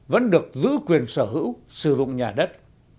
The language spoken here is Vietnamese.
vẫn được giữ quyền sở hữu sử dụng nhà đất